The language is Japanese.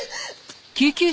救急車！